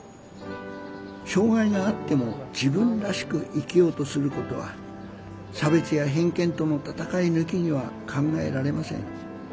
障害があっても自分らしく生きようとすることは差別や偏見との闘い抜きには考えられません。